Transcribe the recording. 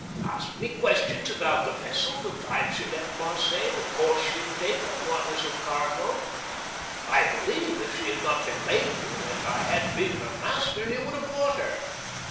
"Asked me questions about the vessel, the time she left Marseilles, the course she had taken, and what was her cargo. I believe, if she had not been laden, and I had been her master, he would have bought her.